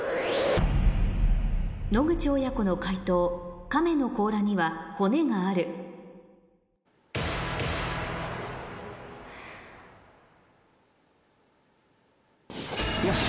野口親子の解答「カメのこうらには骨がある」よし！